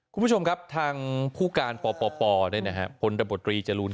คุณผู้ชมครับทางผู้การปปปได้นะครับผลระบบตรีจรูน